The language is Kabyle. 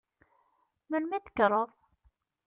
Melmi i d-tekkreḍ?